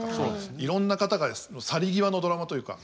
いろんな方の去り際のドラマというか。